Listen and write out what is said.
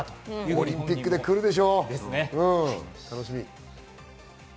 オリンピックで来るでしょう、楽しみ。